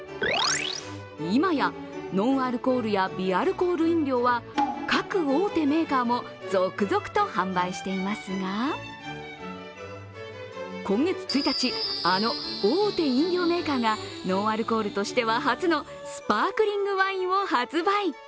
今やノンアルコールや微アルコール飲料は各大手メーカーも続々と販売していますが今月１日、あの大手飲料メーカーがノンアルコールとしては初のスパークリングワインを発売。